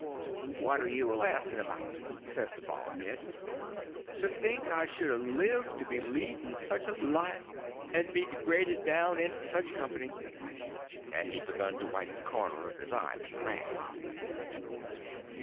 "What 're you alassin' about?" says the bald head. "To think I should have lived to be leading such a life, and be degraded down into such company." And he begun to wipe the corner of his eye with a rag.